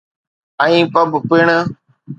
۽ Pub پڻ.